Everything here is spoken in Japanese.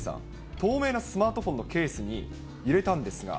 透明なスマートフォンのケースに入れたんですが。